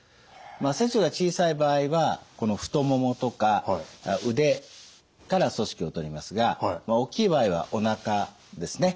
切除が小さい場合はこの太ももとか腕から組織を取りますが大きい場合はおなかですね